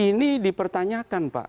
ini dipertanyakan pak